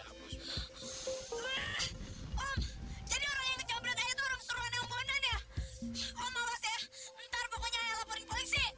om awas ya ntar pokoknya ae laporin polisi